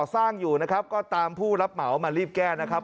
สร้างอยู่นะครับก็ตามผู้รับเหมามารีบแก้นะครับ